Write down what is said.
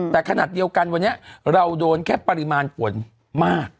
แต่ขนาดเดียวกันวันนี้เราโดนแค่ปริมาณฝนมาก